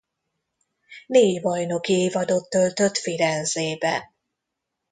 Négy bajnoki évadot töltött Firenzében.